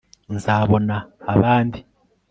nzabona abandi